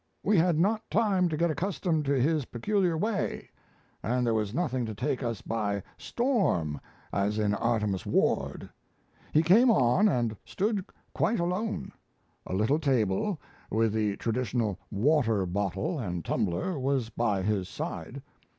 We had not time to get accustomed to his peculiar way, and there was nothing to take us by storm, as in Artemus Ward. .... He came on and stood quite alone. A little table, with the traditional water bottle and tumbler, was by his side.